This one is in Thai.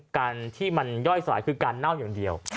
การที่มันย่อยสลายคือการเน่าอย่างเดียว